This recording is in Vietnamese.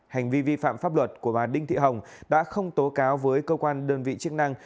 hành vi vi phạm pháp luật của bà đinh thị hồng đã không tố cáo với cơ quan đơn vị chức năng